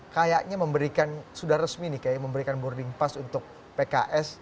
kayaknya memberikan sudah resmi nih kayaknya memberikan boarding pass untuk pks